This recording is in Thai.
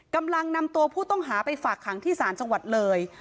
กำลังนำตัวผู้ต้องหาไปฝากขังที่ศาลจังหวัดเลย